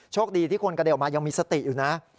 คดีที่คนกระเด็นออกมายังมีสติอยู่นะ